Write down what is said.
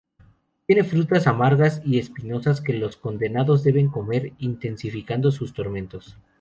Tiene frutas amargas y espinosas que los condenados deben comer, intensificando sus tormentos.